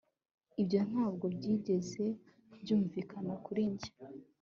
Ibyo ntabwo byigeze byumvikana kuri njye